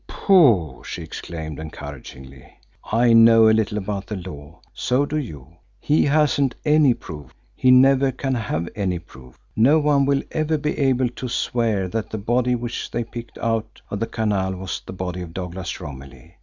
"Pooh!" she exclaimed encouragingly. "I know a little about the law so do you. He hasn't any proof he never can have any proof. No one will ever be able to swear that the body which they picked out of the canal was the body of Douglas Romilly.